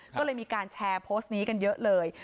ก็เลยมีการแชร์โพสต์นี้กันเยอะเลย